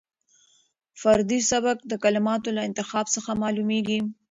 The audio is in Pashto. فردي سبک د کلماتو له انتخاب څخه معلومېږي.